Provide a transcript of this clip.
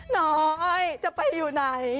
น้องจะไปอยู่ไหน